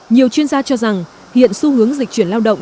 nhiều chuyên gia cho rằng hiện xu hướng dịch chuyển lao động